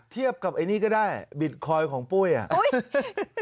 เทียบกับไอ้นี่ก็ได้บิตคอยน์ของปุ้ยอ่ะ